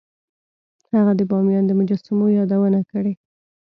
هغه د بامیان د مجسمو یادونه کړې